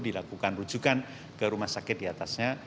dilakukan rujukan ke rumah sakit diatasnya